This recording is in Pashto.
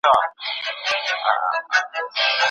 سياسي ځواک د امنيتي ځواکونو د لارې تطبيقيږي.